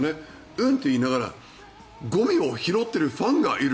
運と言いながらゴミを拾ってるファンがいる。